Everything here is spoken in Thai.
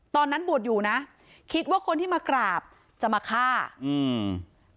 ตอนนั้นบวชอยู่นะคิดว่าคนที่มากราบจะมาฆ่าอืม